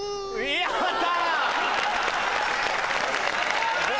やった。